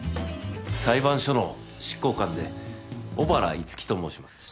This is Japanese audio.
裁判所の執行官で小原樹と申します。